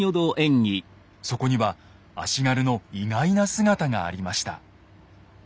そこには足軽の意外な姿がありました。